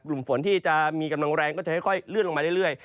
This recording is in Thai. กลุ่มฝนที่จะมีกำลังแรงก็จะค่อยเลื่อนลงมาเรื่อย